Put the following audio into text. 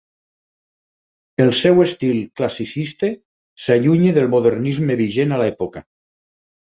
El seu estil classicista s'allunya del modernisme vigent a l'època.